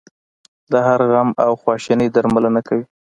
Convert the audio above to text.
د هر غم او خواشینۍ درملنه کوي.